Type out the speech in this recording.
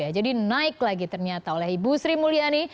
jadi naik lagi ternyata oleh ibu sri mulyani